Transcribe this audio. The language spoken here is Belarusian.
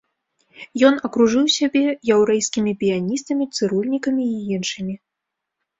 Ён акружыў сябе яўрэйскімі піяністамі, цырульнікамі і іншымі.